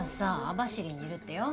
網走にいるってよ。